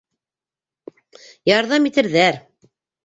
Ярҙам итерҙәр.